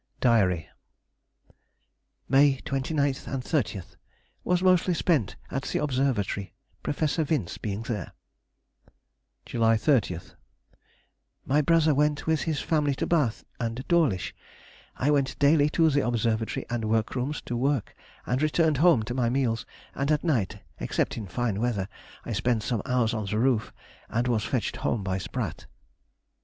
[Sidenote: 1798. Extracts from Day book.] DIARY. May 29th and 30th.—Was mostly spent at the Observatory, Professor Vince being there. July 30th.—My brother went with his family to Bath and Dawlish. I went daily to the Observatory and work rooms to work, and returned home to my meals, and at night, except in fine weather, I spent some hours on the roof, and was fetched home by Sprat.